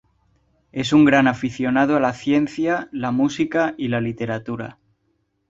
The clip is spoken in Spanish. Es un gran aficionado a la ciencia, la música y la literatura.